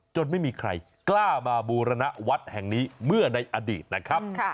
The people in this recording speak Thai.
ไม่มีใครกล้ามาบูรณวัดแห่งนี้เมื่อในอดีตนะครับ